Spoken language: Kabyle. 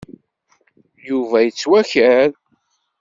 Yuba yettwaker.